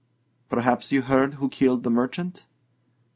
"Perhaps you heard who killed the merchant?"